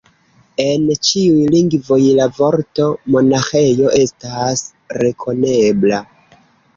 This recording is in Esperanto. En ĉiuj lingvoj la vorto monaĥejo estas rekonebla.